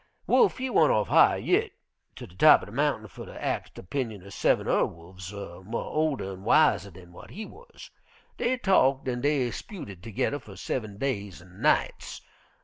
"Wolf he went off higher yit, ter de top er de mountain fer ter ax de 'pinion er seven urr wolfs mo' older an' wiser dan w'at he wuz. Dey talked an' dey 'sputed toge'rr fer seven days an' nights.